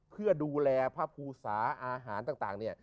เพื่อดูแลพระภูสาอาหารต่างเนี่ย